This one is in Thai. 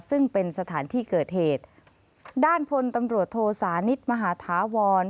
ซึ่งเป็นสถานที่เกิดเหตุด้านพลตำรวจโทสานิทมหาธาวร